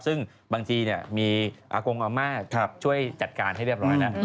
ซึ่งบางทีมีอากงอาม่าช่วยจัดการให้เรียบร้อยแล้ว